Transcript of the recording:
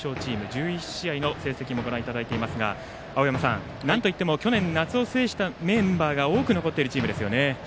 １１試合の成績をご覧いただいていますが青山さん、なんといっても去年夏を制したメンバーが多く残っているチームですよね。